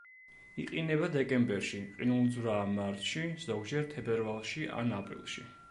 იყინება დეკემბერში, ყინულძვრაა მარტში, ზოგჯერ თებერვალში ან აპრილში.